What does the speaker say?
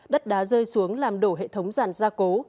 đất đá rơi xuống làm đổ hệ thống giàn gia cố